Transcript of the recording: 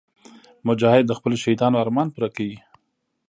مجاهد د خپلو شهیدانو ارمان پوره کوي.